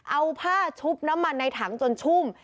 เอาผ้าชุบน้ำมันในถังจนชุ่ม